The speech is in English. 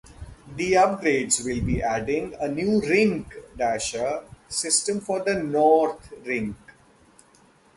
The upgrades will be adding a new rink dasher system for the North Rink.